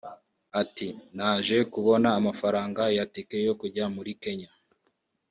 Ati “Naje kubona amafaranga ya ticket yo kujya muri Kenya